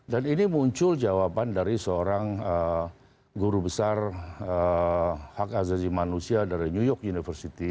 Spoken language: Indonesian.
dan ini muncul jawaban dari seorang guru besar hak azazi manusia dari new york university